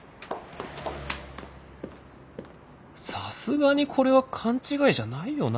さすがにこれは勘違いじゃないよな